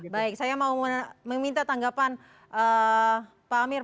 baik saya mau meminta tanggapan pak amir